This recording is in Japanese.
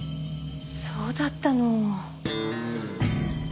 そうだったの。